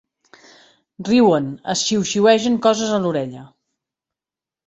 Riuen, es xiuxiuegen coses a l'orella.